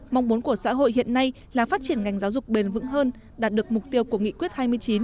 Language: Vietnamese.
mong muốn của xã hội hiện nay là phát triển ngành giáo dục bền vững hơn đạt được mục tiêu của nghị quyết hai mươi chín